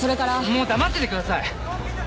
もう黙っててください！